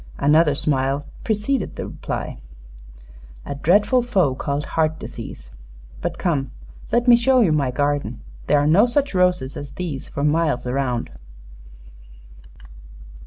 Another smile preceded the reply. "A dreadful foe called heart disease. But come; let me show you my garden. There are no such roses as these for miles around."